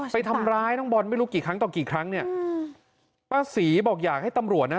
ไปทำร้ายน้องบอลไม่รู้กี่ครั้งต่อกี่ครั้งเนี่ยอืมป้าศรีบอกอยากให้ตำรวจนะ